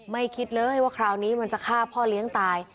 คิดเลยว่าคราวนี้มันจะฆ่าพ่อเลี้ยงตาย